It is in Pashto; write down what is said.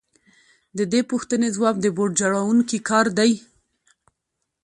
د دې پوښتنې ځواب د بوټ جوړونکي کار دی